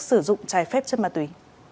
sử dụng trái phép chất ma túy